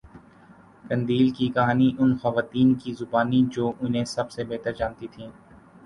قندیل کی کہانی ان خواتین کی زبانی جو انہیں سب سےبہتر جانتی تھیں